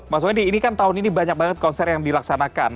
mas wendy ini kan tahun ini banyak banget konser yang dilaksanakan